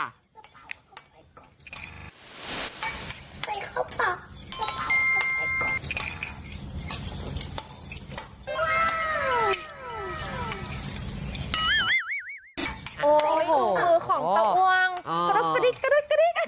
มือของตาอวน